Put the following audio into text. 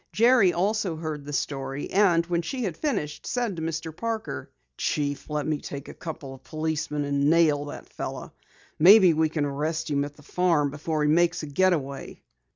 Jerry also heard the story, and when she had finished, he said to Mr. Parker: "Chief, let me take a couple of policemen and nail that fellow! Maybe we can arrest him at the farm before he makes a get away."